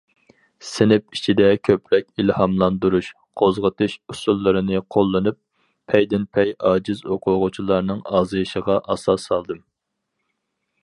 سىنىپ ئىچىدە كۆپرەك ئىلھاملاندۇرۇش، قوزغىتىش ئۇسۇللىرىنى قوللىنىپ پەيدىنپەي ئاجىز ئوقۇغۇچىلارنىڭ ئازىيىشىغا ئاساس سالدىم.